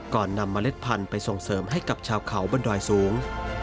นำเมล็ดพันธุ์ไปส่งเสริมให้กับชาวเขาบนดอยสูง